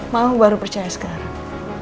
mama baru percaya sekarang